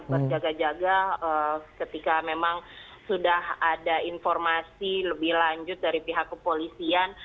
berjaga jaga ketika memang sudah ada informasi lebih lanjut dari pihak kepolisian